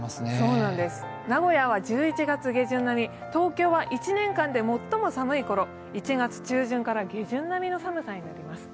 名古屋は１１月下旬並み、東京は１年間で最も寒い頃、１月中旬から下旬並みの寒さになります。